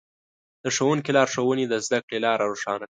د ښوونکي لارښوونې د زده کړې لاره روښانه کړه.